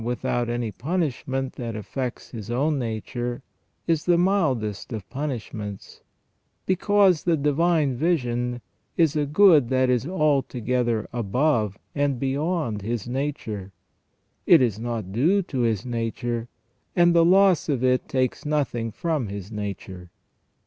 229 without any punishment that affects his own nature, is the mildest of punishments, because the divine vision is a good that is alto gether above and beyond his nature ; it is not due to his nature, and the loss of it takes nothing from his nature.